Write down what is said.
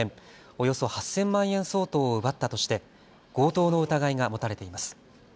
およそ８０００万円相当を奪ったとして強盗の疑いが持たれています。